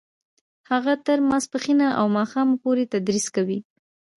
هغه تر ماسپښینه او ماښامه پورې تدریس کوي